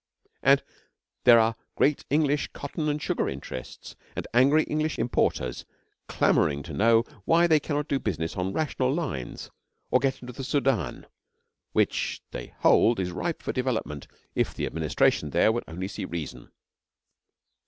And there are great English cotton and sugar interests, and angry English importers clamouring to know why they cannot do business on rational lines or get into the Sudan, which they hold is ripe for development if the administration there would only see reason.